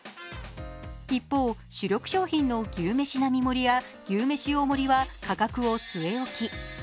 一方、主力商品の牛めし並盛や牛めし大盛は価格を据え置き。